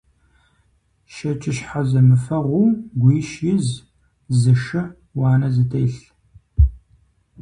ЩэкӀыщхьэ зэмыфэгъуу гуищ из, зы шы – уанэ зэтелъ!